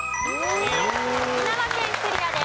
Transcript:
沖縄県クリアです。